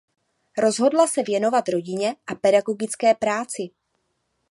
Rozhodla se věnovat rodině a pedagogické práci.